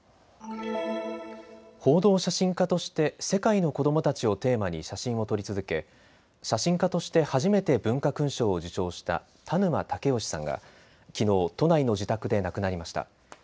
報道写真家として世界の子どもたちをテーマに写真を撮り続け写真家として初めて文化勲章を受章した田沼武能さんがきのう都内の自宅で亡くなりました。